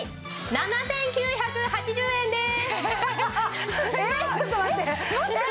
７９８０円です。